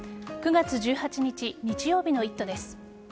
９月１８日日曜日の「イット！」です。